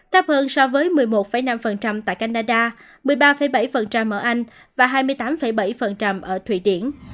thấp hơn so với một mươi một năm tại canada một mươi ba bảy ở anh và hai mươi tám bảy ở thụy điển